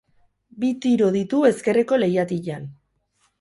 Bi tiro ditu ezkerreko lehiatilan.